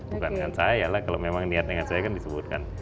bukan dengan saya lah kalau memang niat dengan saya kan disebutkan